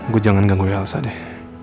gue jangan ganggui elsa deh